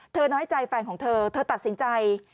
น้อยใจแฟนของเธอเธอตัดสินใจ